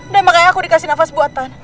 dan makanya aku dikasih nafas buatan